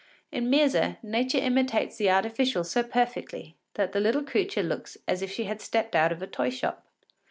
In Myrza, nature imitates the artificial so perfectly that the little creature looks as if she had stepped out of a toy shop.